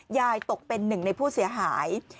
ยายตกเป็นหนึ่งในผู้เสียหาย